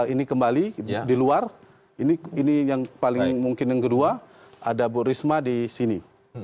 ini kembali di luar ini yang paling mungkin yang kedua ada ibu risma disini